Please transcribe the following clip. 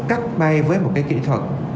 cắt bay với một cái kỹ thuật